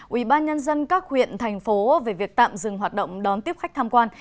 ubnd các huyện thành phố về việc tạm dừng hoạt động đón tiếp khách tham quan